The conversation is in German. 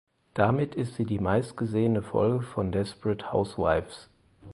Damit ist sie die meistgesehene Folge von Desperate Housewives.